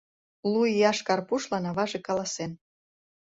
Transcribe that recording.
Лу ияш Карпушлан аваже каласен: